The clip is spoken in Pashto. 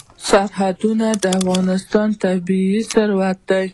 سرحدونه د افغانستان طبعي ثروت دی.